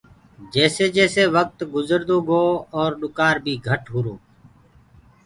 جيسي جيسي وڪت گُجردو گو اور ڏُڪآر بيٚ گهٽ هوُرو۔